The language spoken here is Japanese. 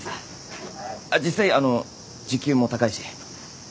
あっ実際あの時給も高いし。